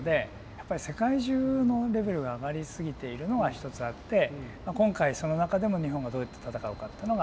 やっぱり世界中のレベルが上がり過ぎているのは一つあって今回その中でも日本がどうやって戦うかってのが大事。